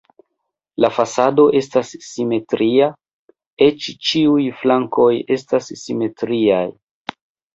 La fasado estas simetria, eĉ ĉiuj flankoj estas simetriaj.